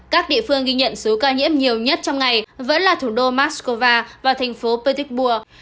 các địa phương ghi nhận số ca nhiễm nhiều nhất trong ngày vẫn là thủ đô moscow và thành phố petersburg